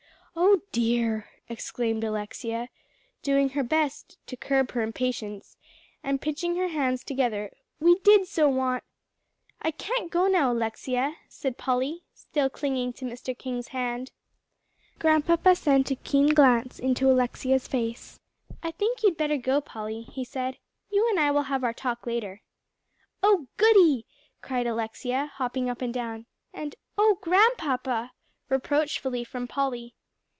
"Oh dear!" exclaimed Alexia, doing her best to curb her impatience, and pinching her hands together, "we did so want " "I can't go now, Alexia," said Polly, still clinging to Mr. King's hand. Grandpapa sent a keen glance over into Alexia's face. "I think you better go, Polly," he said. "You and I will have our talk later." "Oh goody!" cried Alexia, hopping up and down. And "Oh Grandpapa!" reproachfully from Polly.